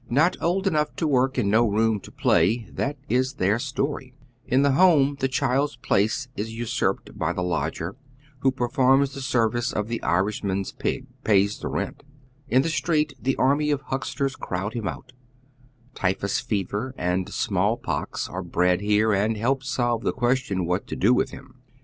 Kot old enough to work and no room for play, that is their story. In the home the child's place is usurped by the lodger, who performs the service of the Irishman's pig — pays the rent. In the ■ Report of Eastern Dispensary for 1889. =,Google JEWTOWN. 109 Btreet the army of lincksters crowd him out. Typhus fever and Bmall pox are bred liere, and help solve the question what to do with him.